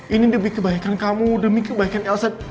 ini demi kebaikan kamu demi kebaikan elsa